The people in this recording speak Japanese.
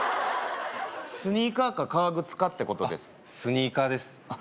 スニーカーか革靴かってことですあっ